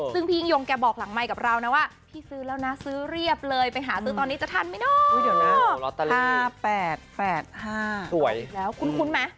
ซึ่งพี่ยิ่งยงแกบอกหลังไมค์กับเรานะว่าพี่ซื้อแล้วนะซื้อเรียบเลยไปหาซื้อตอนนี้จะทันไหมเนาะ๕๘๘๕สวยอีกแล้วคุ้นไหม